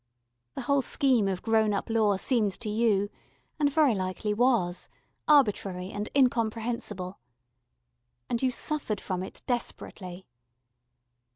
The whole scheme of grown up law seemed to you, and very likely was, arbitrary and incomprehensible. And you suffered from it desperately.